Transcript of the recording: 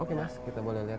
mungkin mas kita boleh lihat